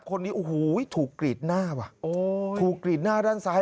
คนนี้โอ้โหถูกกรีดหน้าว่ะโอ้ถูกกรีดหน้าด้านซ้าย